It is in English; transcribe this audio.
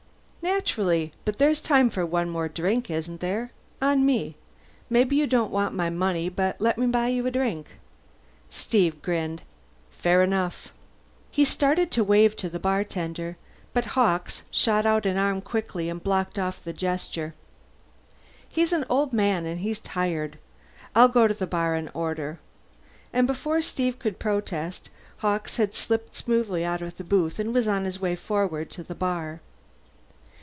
"Naturally. But there's time for one more drink, isn't there? On me. Maybe you don't want my money, but let me buy you a drink." Steve grinned. "Fair enough." He started to wave to the bartender, but Hawkes shot out an arm quickly and blocked off the gesture. "He's an old man and he's tired. I'll go to the bar and order." And before Steve could protest, Hawkes had slipped smoothly out of the booth and was on his way forward to the bar.